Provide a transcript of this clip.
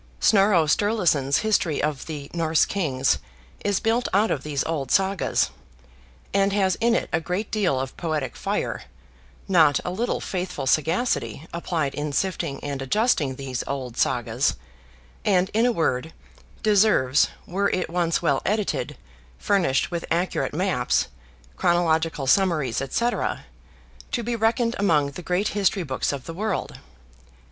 Snorro Sturleson's History of the Norse Kings is built out of these old Sagas; and has in it a great deal of poetic fire, not a little faithful sagacity applied in sifting and adjusting these old Sagas; and, in a word, deserves, were it once well edited, furnished with accurate maps, chronological summaries, &c., to be reckoned among the great history books of the world.